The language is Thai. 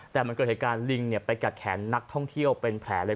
แต่มันเกิดเหตุการณ์ลิงไปกัดแขนนักท่องเที่ยวเป็นแผลเลย